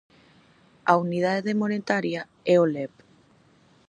A unidade monetaria é o lev.